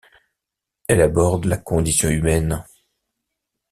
Elle aborde la condition humaine.